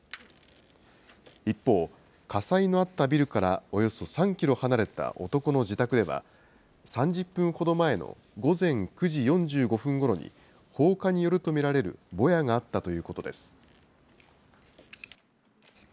一方、火災のあったビルからおよそ３キロ離れた男の自宅では、３０分ほど前の午前９時４５分ごろに、放火によると見られるぼやがあったということです。